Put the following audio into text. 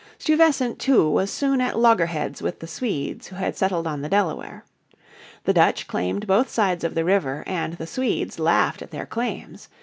Stuyvesant too was soon at loggerheads with the Swedes who had settled on the Delaware. The Dutch claimed both sides of the river and the Swedes laughed at their claims.